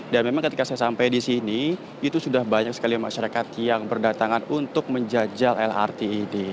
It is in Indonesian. dan memang ketika saya sampai di sini itu sudah banyak sekali masyarakat yang berdatangan untuk menjajal lrt ini